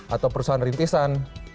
atau perusahaan rintisan